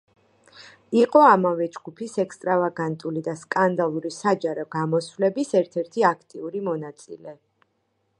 იყო ამავე ჯგუფის ექსტრავაგანტული და სკანდალური საჯარო გამოსვლების ერთ-ერთი აქტიური მონაწილე.